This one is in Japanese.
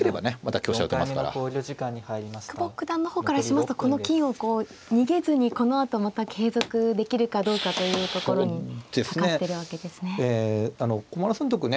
久保九段の方からしますとこの金をこう逃げずにこのあとまた継続できるかどうかというところにかかってるわけですね。